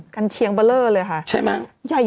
การเชียงเบลอเลยค่ะใหญ่มากใช่มั้ย